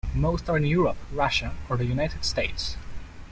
Most are in Europe, Russia, or the United States.